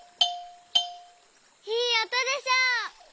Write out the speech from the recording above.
いいおとでしょ！